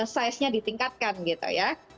size nya ditingkatkan gitu ya